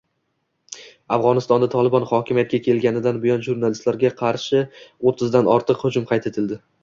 Afg‘onistonda Tolibon hokimiyatga kelganidan buyon jurnalistlarga qarshio´ttizdan ortiq hujum qayd etildi